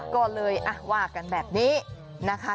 ก็เลยอะก็วากันแบบนี้แหล่ะอย่างนี้